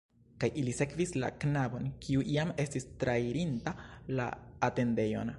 Kaj ili sekvis la knabon, kiu jam estis trairinta la atendejon.